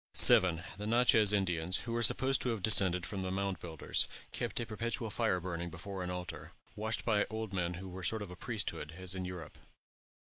7. The Natchez Indians, who are supposed to have descended from the Mound Builders, kept a perpetual fire burning before an altar, watched by old men who were a sort of priesthood, as in Europe.